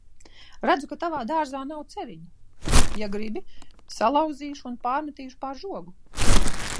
Redzu, ka Tavā dārzā nav ceriņu. Ja gribi, salauzīšu un pārmetīšu pār žogu.